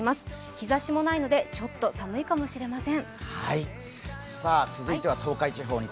日ざしもないので、ちょっと寒いかもしれません。